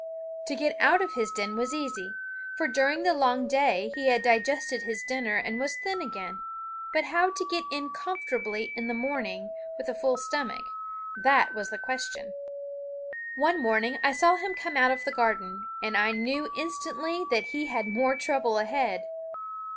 To get out of his den was easy, for during the long day he had digested his dinner and was thin again; but how to get in comfortably in the morning with a full stomach, that was the question. One morning I saw him come out of the garden, and I knew instantly that he had more trouble ahead.